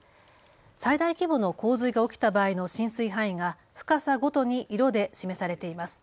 最大規模の洪水が起きた場合の浸水範囲が深さごとに色で示されています。